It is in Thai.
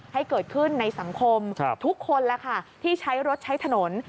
ให้เกิดขึ้นในสังคมทุกคนแหละค่ะที่ใช้รถใช้ถนน